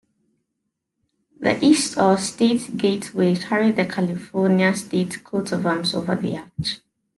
The East or State Gateway carried the California state coat-of-arms over the arch.